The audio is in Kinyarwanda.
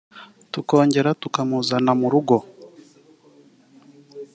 tukongera tukamuzana mu rugo